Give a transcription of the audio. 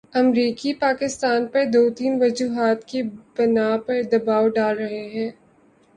امریکی پاکستان پر دو تین وجوہات کی بنا پر دبائو ڈال رہے ہیں۔